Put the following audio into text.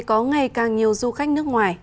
có ngày càng nhiều du khách nước ngoài